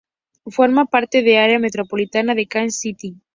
Forma parte del Área metropolitana de Kansas City.